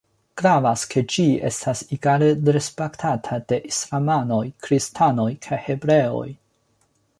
Gravas, ke ĝi estas egale respektata de islamanoj, kristanoj kaj hebreoj.